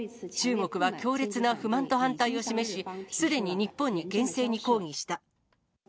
中国は強烈な不満と反対を示し、すでに日本に厳正に抗議した。